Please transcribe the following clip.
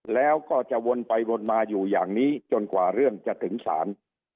แล้วก็จะวนไปวนมาอยู่อย่างนี้จนกว่าเรื่องจะถึงศาล